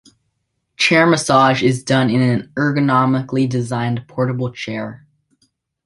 Chair Massage is done in an ergonomically designed portable chair.